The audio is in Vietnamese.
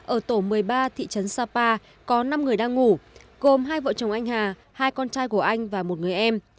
ở tổ một mươi ba thị trấn sapa có năm người đang ngủ gồm hai vợ chồng anh hà hai con trai của anh và một người em